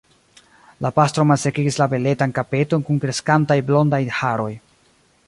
La pastro malsekigis la beletan kapeton kun kreskantaj blondaj haroj.